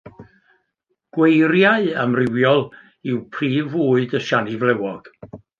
Gweiriau amrywiol yw prif fwyd y siani flewog.